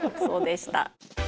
そうでした。